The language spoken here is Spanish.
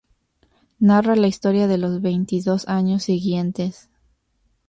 Narra la historia de los veintidós años siguientes.